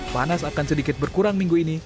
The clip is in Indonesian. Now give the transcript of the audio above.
panas akan sedikit berkurang minggu ini